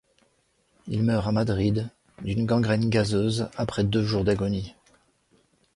Il meurt à Madrid le d'une gangrène gazeuse, après deux jours d'agonie.